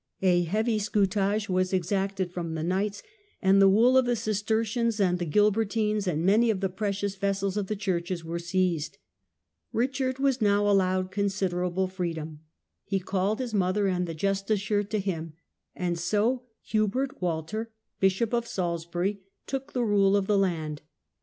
A heavy scutage was exacted from the knights, and the wool of the Cistercians and the Gilbertines and many of the precious vessels of the churches were seized. Richard was now allowed considerable freedom. He called his mother and the justiciar to him, and so Hubert Walter, Bishop of SaHsbury, took the rule of the land.